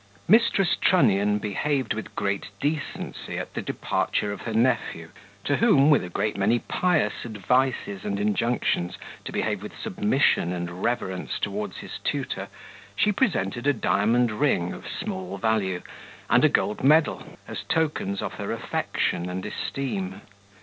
Mrs. Trunnion with great decency at the departure of her nephew, to whom, with a great many pious advices and injunctions to behave with submission and reverence towards his tutor, she presented a diamond ring of small value, and a gold medal, as tokens of her affection and esteem.